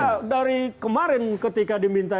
ya dari kemarin ketika diminta